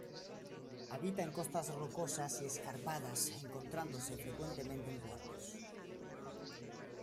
Habita en costas rocosas y escarpadas, encontrándose frecuentemente en puertos.